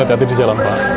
hati hati di jalan pak